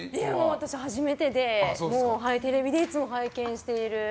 私、初めてでテレビでいつも拝見している。